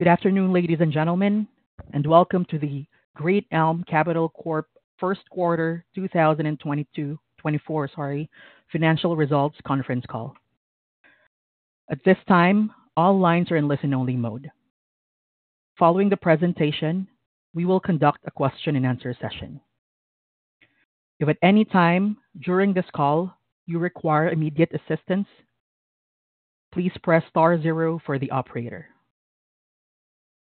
Good afternoon, ladies and gentlemen, and welcome to the Great Elm Capital Corp first quarter 2022... 2024, sorry, financial results conference call. At this time, all lines are in listen-only mode. Following the presentation, we will conduct a question-and-answer session. If at any time during this call you require immediate assistance, please press star zero for the operator.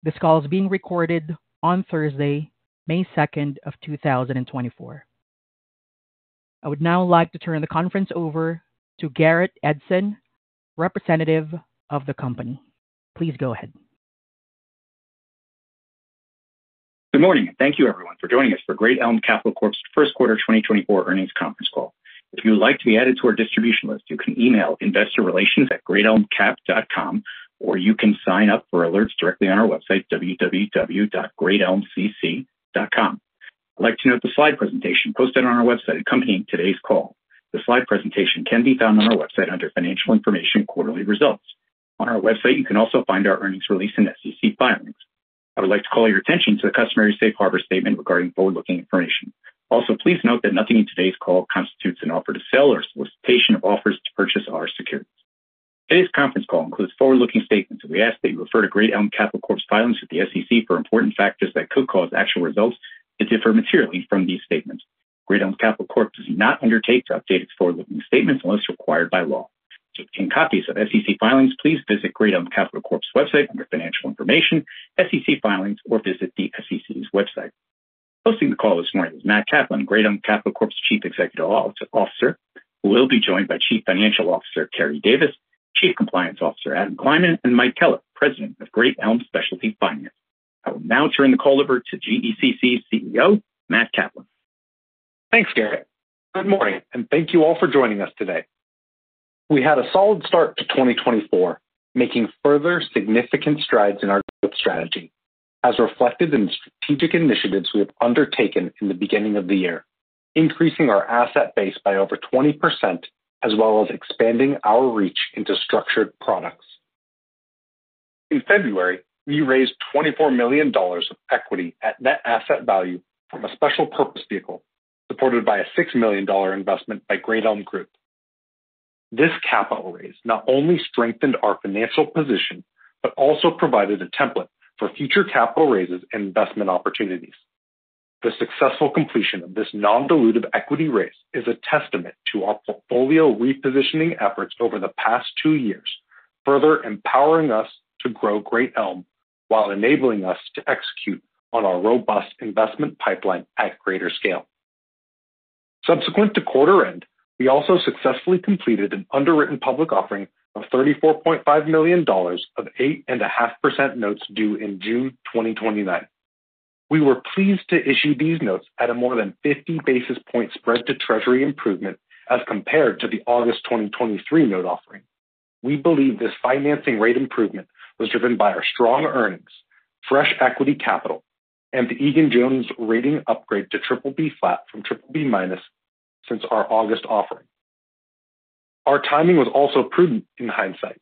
This call is being recorded on Thursday, May 2nd of 2024. I would now like to turn the conference over to Garrett Edson, representative of the company. Please go ahead. Good morning. Thank you, everyone, for joining us for Great Elm Capital Corp.'s first quarter 2024 earnings conference call. If you would like to be added to our distribution list, you can email investorrelations@greatelmcap.com, or you can sign up for alerts directly on our website, www.greatelmcc.com. I'd like to note the slide presentation posted on our website accompanying today's call. The slide presentation can be found on our website under Financial Information Quarterly Results. On our website, you can also find our earnings release and SEC filings. I would like to call your attention to the Customary Safe Harbor Statement regarding forward-looking information. Also, please note that nothing in today's call constitutes an offer to sell or a solicitation of offers to purchase our securities. Today's conference call includes forward-looking statements, and we ask that you refer to Great Elm Capital Corp's filings with the SEC for important factors that could cause actual results to differ materially from these statements. Great Elm Capital Corp does not undertake to update its forward-looking statements unless required by law. To obtain copies of SEC filings, please visit Great Elm Capital Corp's website under Financial Information, SEC Filings, or visit the SEC's website. Hosting the call this morning is Matt Kaplan, Great Elm Capital Corp's Chief Executive Officer, who will be joined by Chief Financial Officer Keri Davis, Chief Compliance Officer Adam Kleinman, and Mike Keller, President of Great Elm Specialty Finance. I will now turn the call over to GECC CEO, Matt Kaplan. Thanks, Garrett. Good morning, and thank you all for joining us today. We had a solid start to 2024, making further significant strides in our growth strategy, as reflected in the strategic initiatives we have undertaken in the beginning of the year, increasing our asset base by over 20% as well as expanding our reach into structured products. In February, we raised $24 million of equity at net asset value from a special purpose vehicle, supported by a $6 million investment by Great Elm Group. This capital raise not only strengthened our financial position but also provided a template for future capital raises and investment opportunities. The successful completion of this non-dilutive equity raise is a testament to our portfolio repositioning efforts over the past two years, further empowering us to grow Great Elm while enabling us to execute on our robust investment pipeline at greater scale. Subsequent to quarter-end, we also successfully completed an underwritten public offering of $34.5 million of 8.5% notes due in June 2029. We were pleased to issue these notes at a more than 50 basis point spread to Treasury improvement as compared to the August 2023 note offering. We believe this financing rate improvement was driven by our strong earnings, fresh equity capital, and the Egan-Jones rating upgrade to BBB flat from BBB minus since our August offering. Our timing was also prudent in hindsight,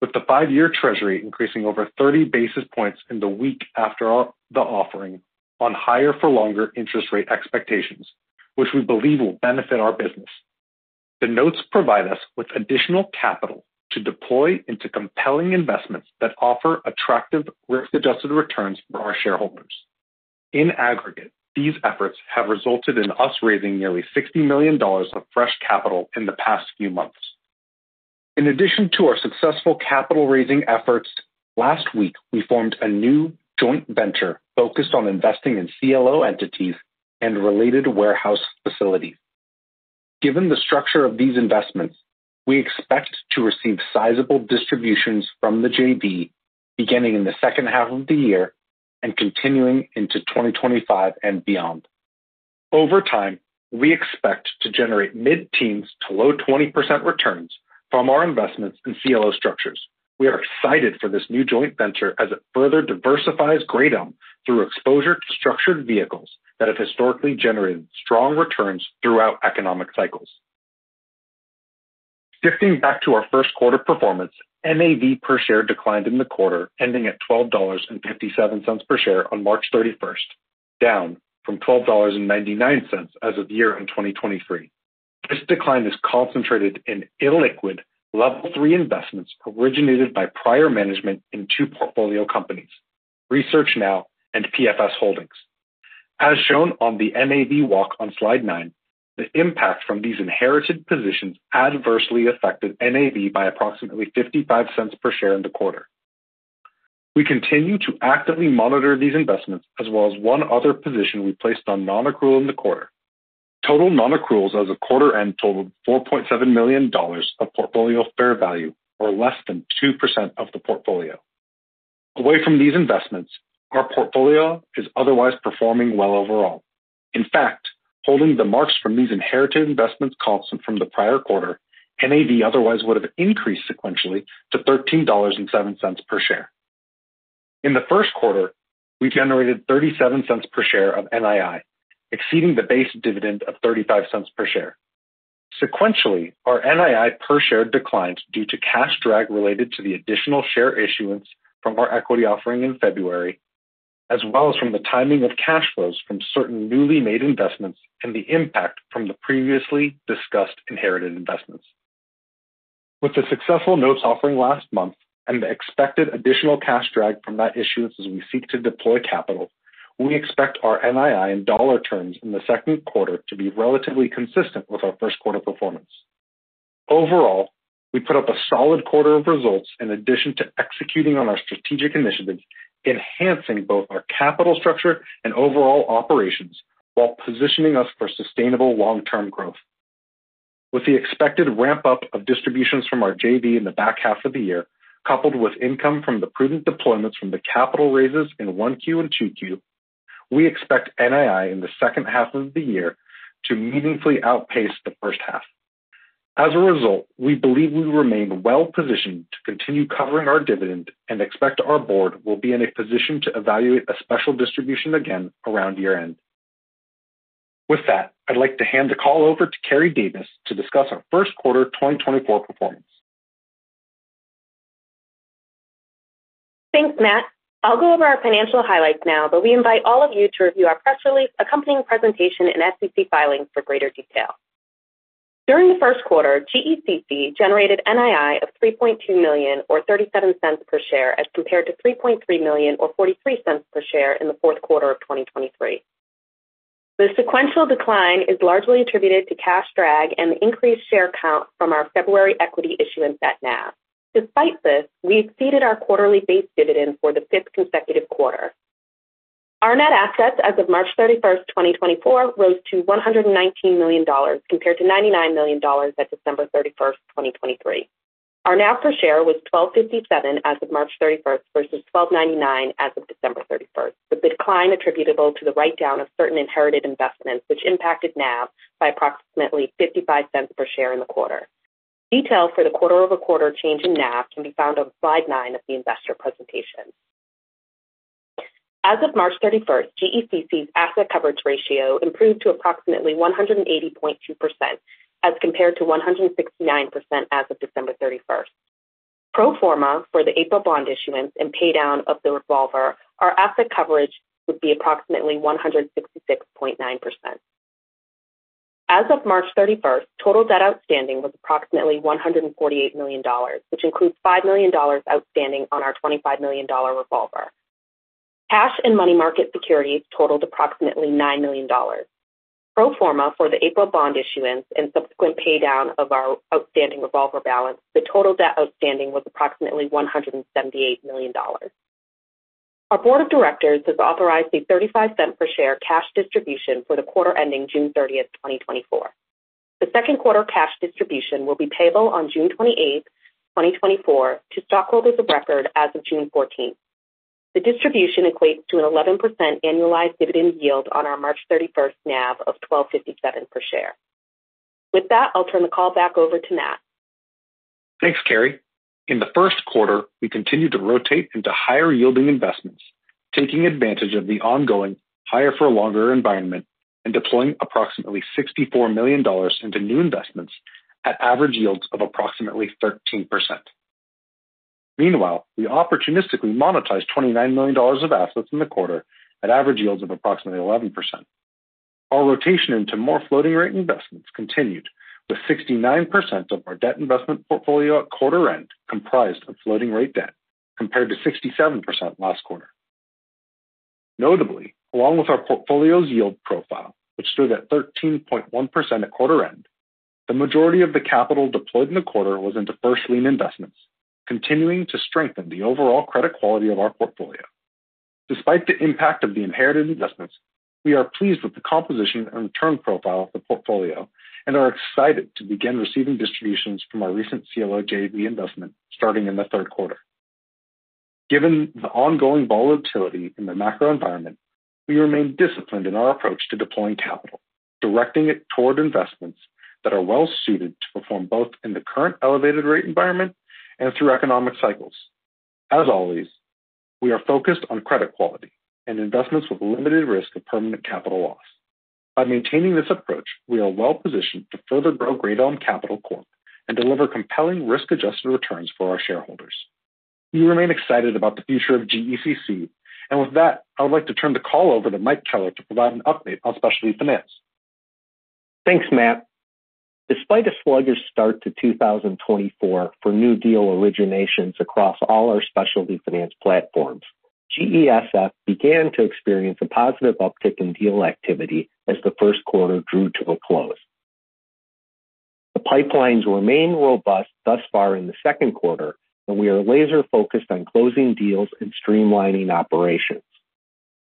with the five-year Treasury increasing over 30 basis points in the week after the offering on higher-for-longer interest rate expectations, which we believe will benefit our business. The notes provide us with additional capital to deploy into compelling investments that offer attractive risk-adjusted returns for our shareholders. In aggregate, these efforts have resulted in us raising nearly $60 million of fresh capital in the past few months. In addition to our successful capital-raising efforts, last week we formed a new joint venture focused on investing in CLO entities and related warehouse facilities. Given the structure of these investments, we expect to receive sizable distributions from the JV beginning in the second half of the year and continuing into 2025 and beyond. Over time, we expect to generate mid-teens to low-20% returns from our investments in CLO structures. We are excited for this new joint venture as it further diversifies Great Elm through exposure to structured vehicles that have historically generated strong returns throughout economic cycles. Shifting back to our first quarter performance, NAV per share declined in the quarter, ending at $12.57 per share on March 31st, down from $12.99 as of year 2023. This decline is concentrated in illiquid, Level 3 investments originated by prior management in two portfolio companies, Research Now and PFS Holdings. As shown on the NAV walk on slide nine, the impact from these inherited positions adversely affected NAV by approximately $0.55 per share in the quarter. We continue to actively monitor these investments as well as one other position we placed on non-accrual in the quarter. Total non-accruals as of quarter-end totaled $4.7 million of portfolio fair value, or less than 2% of the portfolio. Away from these investments, our portfolio is otherwise performing well overall. In fact, holding the marks from these inherited investments constant from the prior quarter, NAV otherwise would have increased sequentially to $13.07 per share. In the first quarter, we generated $0.37 per share of NII, exceeding the base dividend of $0.35 per share. Sequentially, our NII per share declined due to cash drag related to the additional share issuance from our equity offering in February, as well as from the timing of cash flows from certain newly made investments and the impact from the previously discussed inherited investments. With the successful notes offering last month and the expected additional cash drag from that issuance as we seek to deploy capital, we expect our NII in dollar terms in the second quarter to be relatively consistent with our first quarter performance. Overall, we put up a solid quarter of results in addition to executing on our strategic initiatives, enhancing both our capital structure and overall operations while positioning us for sustainable long-term growth. With the expected ramp-up of distributions from our JV in the back half of the year, coupled with income from the prudent deployments from the capital raises in 1Q and 2Q, we expect NII in the second half of the year to meaningfully outpace the first half. As a result, we believe we remain well-positioned to continue covering our dividend and expect our Board will be in a position to evaluate a special distribution again around year-end. With that, I'd like to hand the call over to Keri Davis to discuss our first quarter 2024 performance. Thanks, Matt. I'll go over our financial highlights now, but we invite all of you to review our press release, accompanying presentation, and SEC filings for greater detail. During the first quarter, GECC generated NII of $3.2 million or $0.37 per share as compared to $3.3 million or $0.43 per share in the fourth quarter of 2023. The sequential decline is largely attributed to cash drag and the increased share count from our February equity issuance at NAV. Despite this, we exceeded our quarterly base dividend for the fifth consecutive quarter. Our net assets as of March 31st, 2024, rose to $119 million compared to $99 million at December 31st, 2023. Our NAV per share was $12.57 as of March 31st versus $12.99 as of December 31st, with the decline attributable to the write-down of certain inherited investments, which impacted NAV by approximately $0.55 per share in the quarter. Detail for the quarter-over-quarter change in NAV can be found on slide nine of the investor presentation. As of March 31st, GECC's asset coverage ratio improved to approximately 180.2% as compared to 169% as of December 31st. Pro forma for the April bond issuance and paydown of the revolver, our asset coverage would be approximately 166.9%. As of March 31st, total debt outstanding was approximately $148 million, which includes $5 million outstanding on our $25 million revolver. Cash and money market securities totaled approximately $9 million. Pro forma for the April bond issuance and subsequent paydown of our outstanding revolver balance, the total debt outstanding was approximately $178 million. Our Board of Directors has authorized a $0.35 per share cash distribution for the quarter ending June 30th, 2024. The second quarter cash distribution will be payable on June 28th, 2024, to stockholders of record as of June 14th. The distribution equates to an 11% annualized dividend yield on our March 31st NAV of $12.57 per share. With that, I'll turn the call back over to Matt. Thanks, Keri. In the first quarter, we continued to rotate into higher-yielding investments, taking advantage of the ongoing higher-for-longer environment and deploying approximately $64 million into new investments at average yields of approximately 13%. Meanwhile, we opportunistically monetized $29 million of assets in the quarter at average yields of approximately 11%. Our rotation into more floating-rate investments continued, with 69% of our debt investment portfolio at quarter-end comprised of floating-rate debt compared to 67% last quarter. Notably, along with our portfolio's yield profile, which stood at 13.1% at quarter-end, the majority of the capital deployed in the quarter was into first-lien investments, continuing to strengthen the overall credit quality of our portfolio. Despite the impact of the inherited investments, we are pleased with the composition and return profile of the portfolio and are excited to begin receiving distributions from our recent CLO JV investment starting in the third quarter. Given the ongoing volatility in the macro environment, we remain disciplined in our approach to deploying capital, directing it toward investments that are well-suited to perform both in the current elevated-rate environment and through economic cycles. As always, we are focused on credit quality and investments with limited risk of permanent capital loss. By maintaining this approach, we are well-positioned to further grow Great Elm Capital Corp and deliver compelling risk-adjusted returns for our shareholders. We remain excited about the future of GECC. With that, I would like to turn the call over to Mike Keller to provide an update on specialty finance. Thanks, Matt. Despite a sluggish start to 2024 for new deal originations across all our specialty finance platforms, GESF began to experience a positive uptick in deal activity as the first quarter drew to a close. The pipelines remain robust thus far in the second quarter, and we are laser-focused on closing deals and streamlining operations.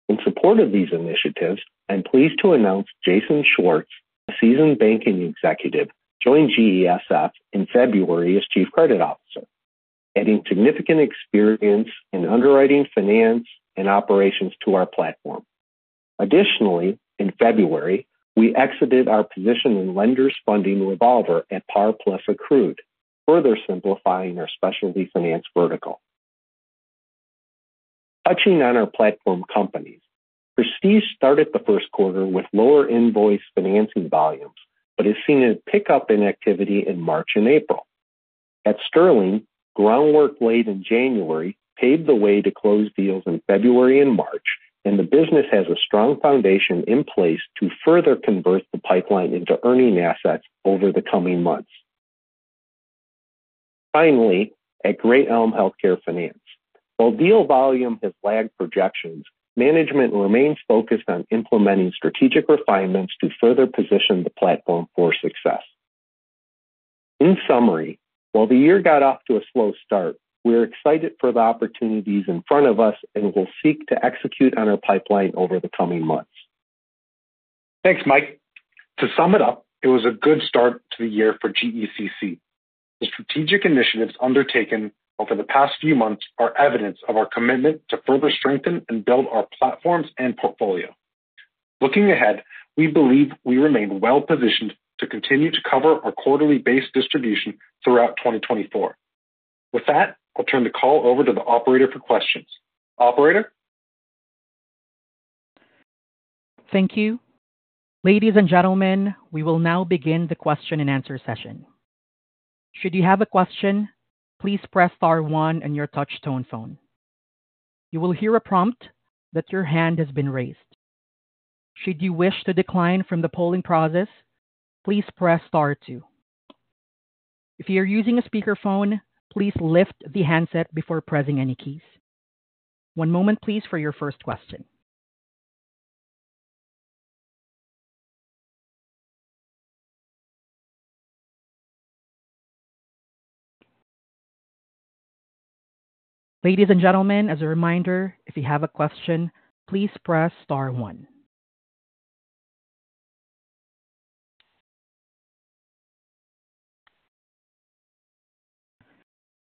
In support of these initiatives, I'm pleased to announce Jason Schwartz, a seasoned banking executive, joined GESF in February as Chief Credit Officer, adding significant experience in underwriting finance and operations to our platform. Additionally, in February, we exited our position in Lenders Funding revolver at par plus accrued, further simplifying our specialty finance vertical. Touching on our platform companies, Prestige started the first quarter with lower invoice financing volumes but has seen a pickup in activity in March and April. At Sterling, groundwork laid in January paved the way to close deals in February and March, and the business has a strong foundation in place to further convert the pipeline into earning assets over the coming months. Finally, at Great Elm Healthcare Finance, while deal volume has lagged projections, management remains focused on implementing strategic refinements to further position the platform for success. In summary, while the year got off to a slow start, we are excited for the opportunities in front of us and will seek to execute on our pipeline over the coming months. Thanks, Mike. To sum it up, it was a good start to the year for GECC. The strategic initiatives undertaken over the past few months are evidence of our commitment to further strengthen and build our platforms and portfolio. Looking ahead, we believe we remain well-positioned to continue to cover our quarterly base distribution throughout 2024. With that, I'll turn the call over to the operator for questions. Operator? Thank you. Ladies and gentlemen, we will now begin the question-and-answer session. Should you have a question, please press star 1 on your touch-tone phone. You will hear a prompt that your hand has been raised. Should you wish to decline from the polling process, please press star two. If you are using a speakerphone, please lift the handset before pressing any keys. One moment, please, for your first question. Ladies and gentlemen, as a reminder, if you have a question, please press star one.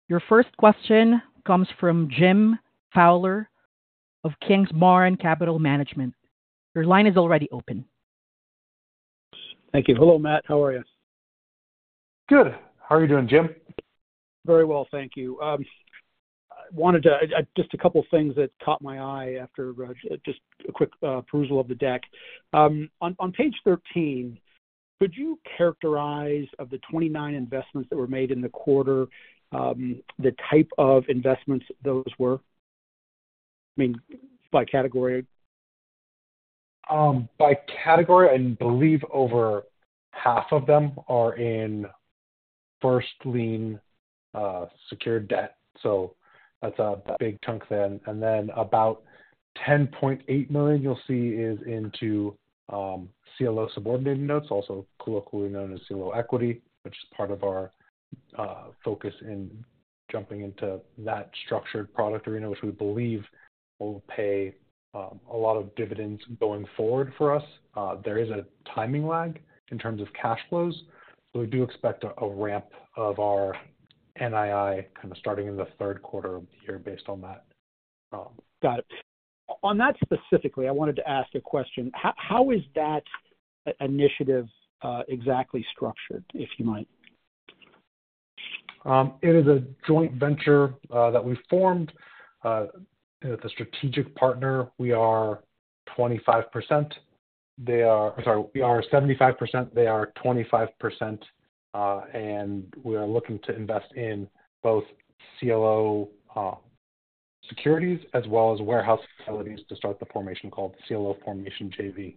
Your first question comes from Jeff Fowler of Kingsbarn Capital Management. Your line is already open. Thank you. Hello, Matt. How are you? Good. How are you doing, Jeff? Very well, thank you. Just a couple of things that caught my eye after just a quick perusal of the deck. On page 13, could you characterize of the 29 investments that were made in the quarter, the type of investments those were? I mean, by category. By category, I believe over half of them are in first-lien secured debt. That's a big chunk there. Then about $10.8 million, you'll see, is into CLO subordinated notes, also colloquially known as CLO equity, which is part of our focus in jumping into that structured product arena, which we believe will pay a lot of dividends going forward for us. There is a timing lag in terms of cash flows, so we do expect a ramp of our NII kind of starting in the third quarter of the year based on that. Got it. On that specifically, I wanted to ask a question. How is that initiative exactly structured, if you might? It is a joint venture that we've formed. The strategic partner, we are 25%, they are... sorry, we are 75%, they are 25%, and we are looking to invest in both CLO securities as well as warehouse facilities to start the formation called CLO Formation JV.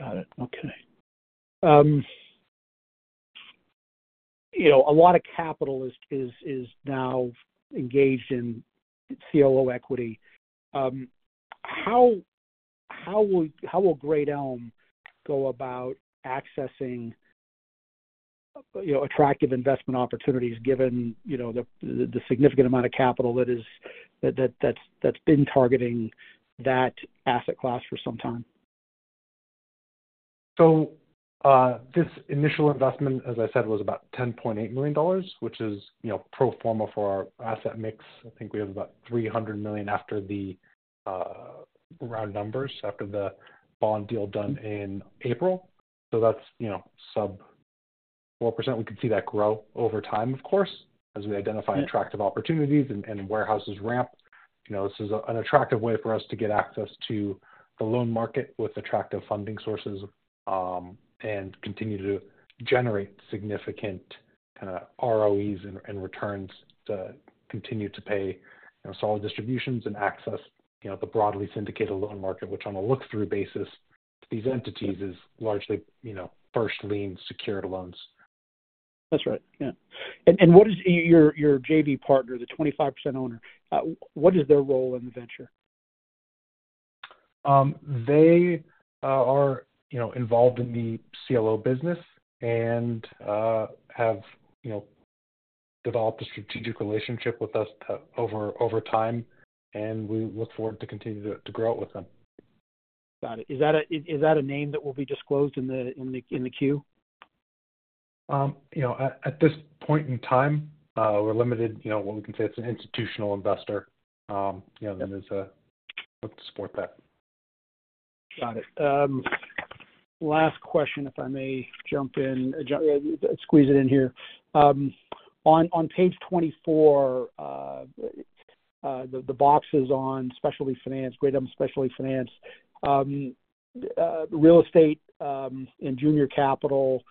Got it. Okay. A lot of capital is now engaged in CLO equity. How will Great Elm go about accessing attractive investment opportunities given the significant amount of capital that's been targeting that asset class for some time? This initial investment, as I said, was about $10.8 million, which is pro forma for our asset mix. I think we have about $300 million after the round numbers, after the bond deal done in April. That's sub 4%. We can see that grow over time, of course, as we identify attractive opportunities and warehouses ramp. This is an attractive way for us to get access to the loan market with attractive funding sources and continue to generate significant kind of ROEs and returns to continue to pay solid distributions and access the broadly syndicated loan market, which on a look-through basis to these entities is largely first-lien secured loans. That's right. Yeah. What is your JV partner, the 25% owner, what is their role in the venture? They are involved in the CLO business and have developed a strategic relationship with us over time, and we look forward to continuing to grow it with them. Got it. Is that a name that will be disclosed in the queue? At this point in time, we're limited. What we can say is it's an institutional investor, and then there's a.. to support that. Got it. Last question, if I may jump in, squeeze it in here. On page 24, the box is on Great Elm Specialty Finance. Real estate and junior capital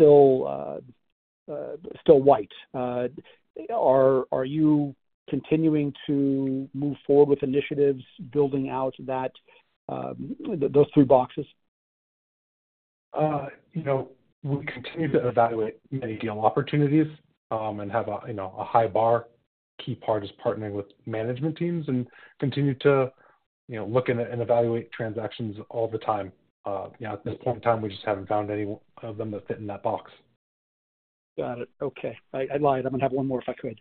are still white. Are you continuing to move forward with initiatives building out those three boxes? We continue to evaluate many deal opportunities and have a high bar. Key part is partnering with management teams and continue to look and evaluate transactions all the time. At this point in time, we just haven't found any of them that fit in that box. Got it. Okay. I lied. I'm going to have one more if I could.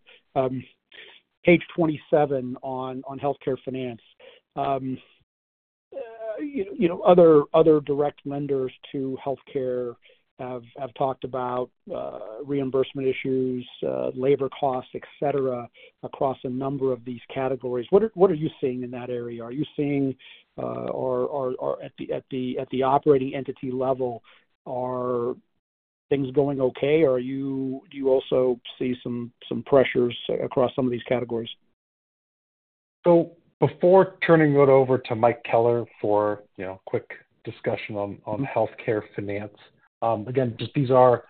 Page 27 on healthcare finance, other direct lenders to healthcare have talked about reimbursement issues, labor costs, etc., across a number of these categories. What are you seeing in that area? Are you seeing, at the operating entity level, are things going okay, or do you also see some pressures across some of these categories? Before turning it over to Mike Keller for a quick discussion on healthcare finance, again, these are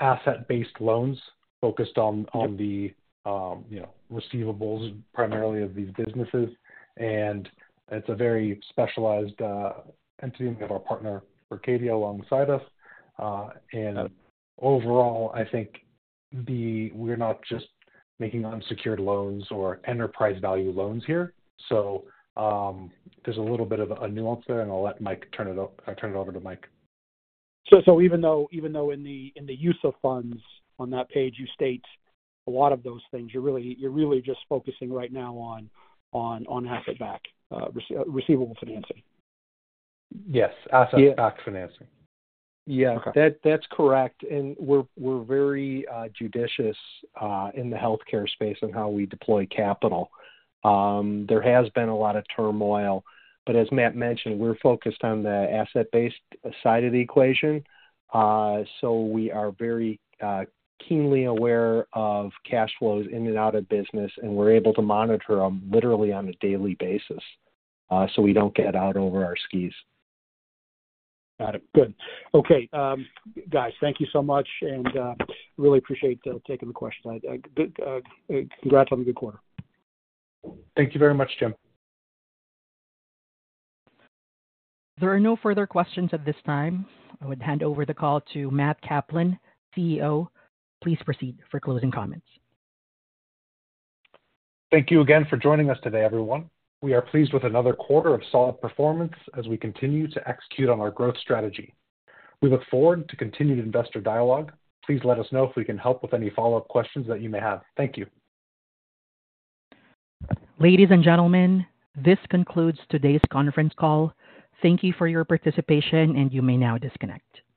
asset-based loans focused on the receivables, primarily of these businesses. It's a very specialized entity. We have our partner, Mercadien, alongside us. Overall, I think we're not just making unsecured loans or enterprise-value loans here. There's a little bit of a nuance there, and I'll let Mike turn it I'll turn it over to Mike. Even though in the use of funds on that page, you state a lot of those things, you're really just focusing right now on asset-backed receivable financing? Yes, asset-backed financing. Yeah, that's correct, and we're very judicious in the healthcare space on how we deploy capital. There has been a lot of turmoil. But as Matt mentioned, we're focused on the asset-based side of the equation. We are very keenly aware of cash flows in and out of business, and we're able to monitor them literally on a daily basis so we don't get out over our skis. Got it. Good. Okay. Guys, thank you so much, and really appreciate taking the questions. Congrats on the good quarter. Thank you very much, Jeff. There are no further questions at this time. I would hand over the call to Matt Kaplan, CEO. Please proceed for closing comments. Thank you again for joining us today, everyone. We are pleased with another quarter of solid performance as we continue to execute on our growth strategy. We look forward to continued investor dialogue. Please let us know if we can help with any follow-up questions that you may have. Thank you. Ladies and gentlemen, this concludes today's conference call. Thank you for your participation, and you may now disconnect.